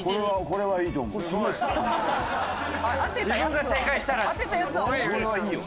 これはいいよ